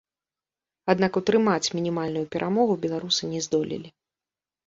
Аднак утрымаць мінімальную перамогу беларусы не здолелі.